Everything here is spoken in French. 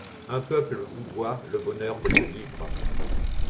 Un peuple vous doit le bonheur d'être libre.